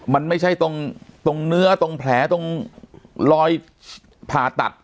มันไม่ใช่ตรงเนื้อตรงแผลตรงรอยผ่าตัด